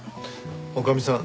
女将さん